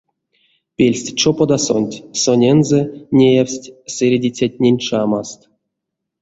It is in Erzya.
Пельсчоподасонть сонензэ неявсть сэредицятнень чамаст.